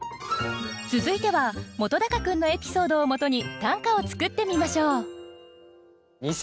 続いては本君のエピソードをもとに短歌を作ってみましょう。